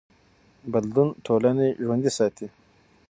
بدلون ټولنې ژوندي ساتي